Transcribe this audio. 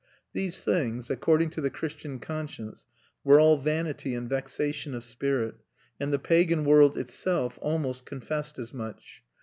These things, according to the Christian conscience, were all vanity and vexation of spirit, and the pagan world itself almost confessed as much.